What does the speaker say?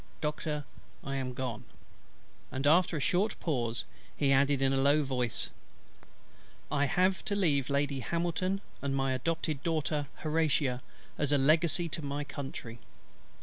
Doctor, I am gone;" and after a short pause he added in a low voice, "I have to leave Lady HAMILTON, and my adopted daughter HORATIA, as a legacy to my Country."